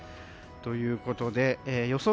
ということで予想